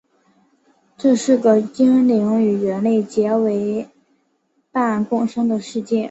这是个精灵与人类结为夥伴共生的世界。